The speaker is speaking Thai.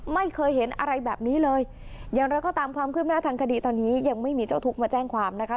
ไม่เคยเห็นอะไรแบบนี้เลยอย่างไรก็ตามความคืบหน้าทางคดีตอนนี้ยังไม่มีเจ้าทุกข์มาแจ้งความนะคะ